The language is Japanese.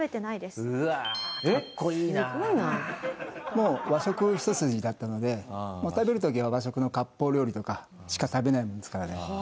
もう和食一筋だったので食べる時は和食の割烹料理とかしか食べないですからね。